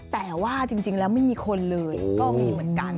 แต่ว่าจริงแล้วไม่มีคนเลยก็มีเหมือนกัน